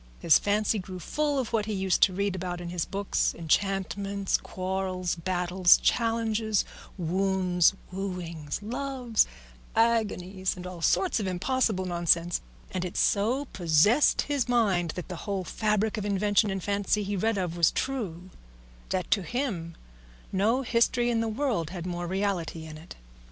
His fancy grew full of what he used to read about in his books, enchantments, quarrels, battles, challenges, wounds, wooings, loves, agonies, and all sorts of impossible nonsense; and it so possessed his mind that the whole fabric of invention and fancy he read of was true, that to him no history in the world had more reality in it.